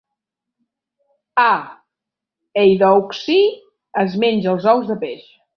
"A. eydouxii" es menja els ous de peix.